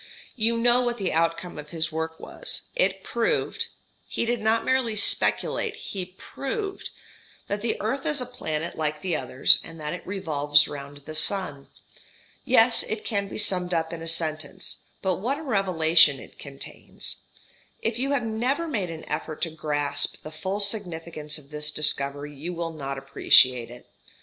You know what the outcome of his work was. It proved he did not merely speculate, he proved that the earth is a planet like the others, and that it revolves round the sun. Yes, it can be summed up in a sentence, but what a revelation it contains. If you have never made an effort to grasp the full significance of this discovery you will not appreciate it.